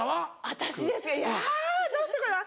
私ですかいやどうしようかな。